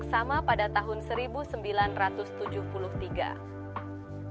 presiden suharto menjabat posisi yang sama pada tahun seribu sembilan ratus tujuh puluh tiga